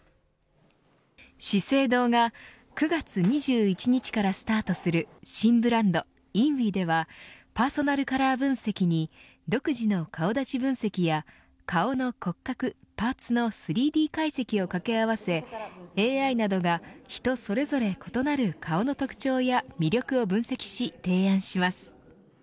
資生堂が９月２１日からスタートする新ブランドｉｎｏｕｉではパーソナルカラー分析に独自の顔立ち分析や顔の骨格・パーツの３Ｄ解析をかけ合わせＡＩなどが人それぞれ異なる顔の特徴や魅力を分析し、提案します。